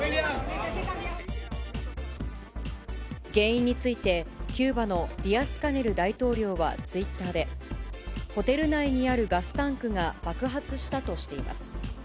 原因について、キューバのディアスカネル大統領はツイッターで、ホテル内にあるガスタンクが爆発したとしています。